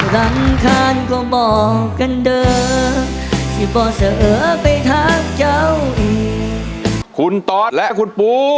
ร้องได้ให้ล้าน